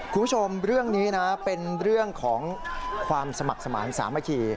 คุณผู้ชมเรื่องนี้นะเป็นเรื่องของความสมัครสมาธิสามัคคี